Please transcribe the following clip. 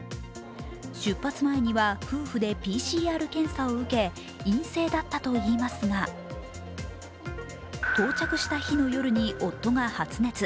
出発前には夫婦でＰＣＲ検査を受け、陰性だったといいますが、到着した日の夜に夫が発熱。